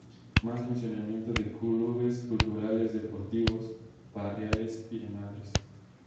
Más funcionamiento de clubes culturales, deportivos, barriales y de madres